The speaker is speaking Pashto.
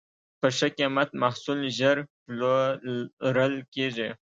په ښه قیمت محصول ژر پلورل کېږي.